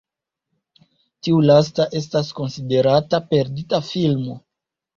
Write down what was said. Tiu lasta estas konsiderata perdita filmo.